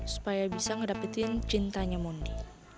supaya bisa ngedapetin cintanya mundi